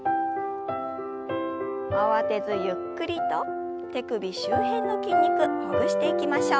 慌てずゆっくりと手首周辺の筋肉ほぐしていきましょう。